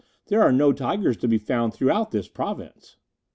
there are no tigers to be found throughout this Province.